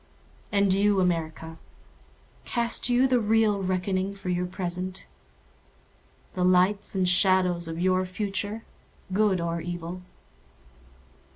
And you, America, Cast you the real reckoning for your present? The lights and shadows of your future—good or evil?